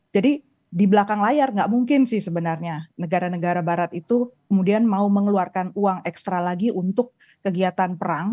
jadi di belakang layar nggak mungkin sih sebenarnya negara negara barat itu kemudian mau mengeluarkan uang ekstra lagi untuk kegiatan perang